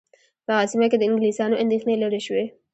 په هغه سیمه کې د انګلیسیانو اندېښنې لیرې شوې.